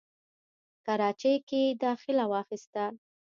کراچۍ کښې داخله واخسته،